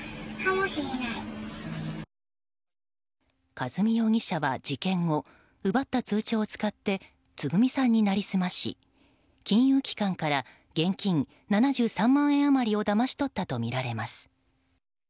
和美容疑者は事件後奪った通帳を使ってつぐみさんに成り済まし金融機関から現金７３万円余りをだまし取ったとみられます。